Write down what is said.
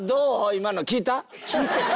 今の聞いた？